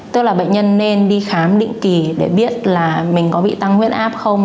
tức là bệnh nhân nên đi khám định kỳ để biết là mình có bị tăng huyết áp không